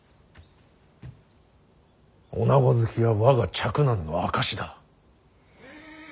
女子好きは我が嫡男の証しだ。